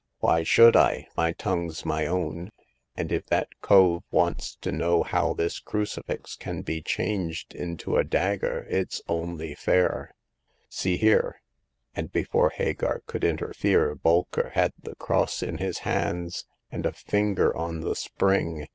Why should I ? My tongue's my own, and if that cove wants to know how this crucifix can be changed into a dagger, it's only fair. See here !" and before Hagar could interfere Bolker had the cross in his hands, and a finger on the spring.